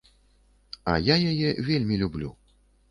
А я яе вельмі люблю.